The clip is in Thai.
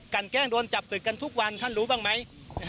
การแกล้งศ์โดนจับศิลป์กันทุกวันท่านรู้บ้างไหม